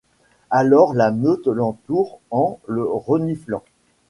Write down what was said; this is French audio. Alors la meute l’entoure en le reniflant.